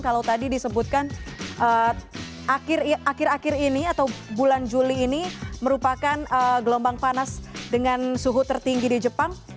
kalau tadi disebutkan akhir akhir ini atau bulan juli ini merupakan gelombang panas dengan suhu tertinggi di jepang